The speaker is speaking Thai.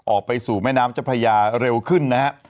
ออกไปสู่แม่น้ำเจ้าพระยาเร็วขึ้นนะฮะ